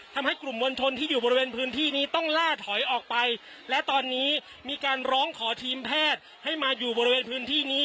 ทำให้กลุ่มมวลชนที่อยู่บริเวณพื้นที่นี้ต้องล่าถอยออกไปและตอนนี้มีการร้องขอทีมแพทย์ให้มาอยู่บริเวณพื้นที่นี้